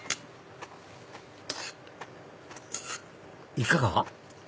いかが？